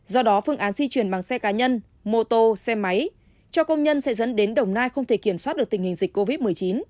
do đó phương án di chuyển bằng xe cá nhân mô tô xe máy cho công nhân sẽ dẫn đến đồng nai không thể kiểm soát được tình hình dịch covid một mươi chín